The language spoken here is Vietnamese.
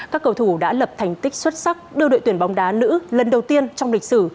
các cầu thủ đã lập thành tích xuất sắc đưa đội tuyển bóng đá nữ lần đầu tiên trong lịch sử